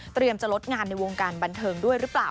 จะลดงานในวงการบันเทิงด้วยหรือเปล่า